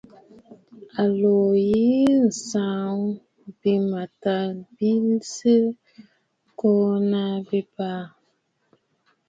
À lǒ ŋghɛ̀ɛ̀ ǹtsaʼa bɨ̂mâtaà bi sii ŋko naà ji baà.